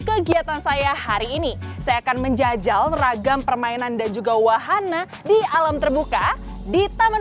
kegiatan saya hari ini saya akan menjajal ragam permainan dan juga wahana di alam terbuka di taman